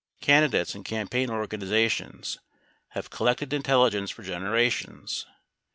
Candidates and campaign organizations have collected intelli ence for generations.